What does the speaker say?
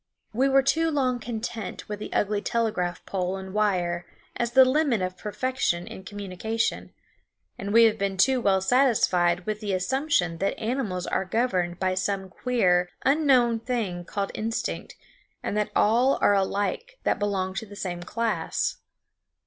We were too long content with the ugly telegraph pole and wire as the limit of perfection in communication; and we have been too well satisfied with the assumption that animals are governed by some queer, unknown thing called instinct, and that all are alike that belong to the same class.